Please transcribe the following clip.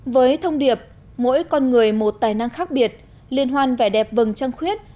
với thông điệp mỗi con người một tài năng khác biệt liên hoan vẻ đẹp vầng trăng khuyết